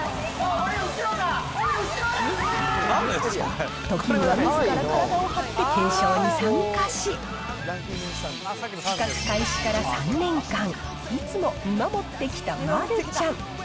俺、時にはみずから体を張って検証に参加し、企画開始から３年間、いつも見守ってきた丸ちゃん。